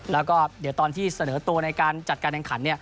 แล้วก็เดี๋ยวตอนที่เสนอตัวในการจัดการแข่งขัน